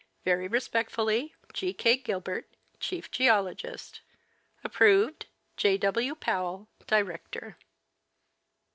Very respectfully, . G. K. Gilbert, Chief Geologist. Approved, J. W. Powell, Director.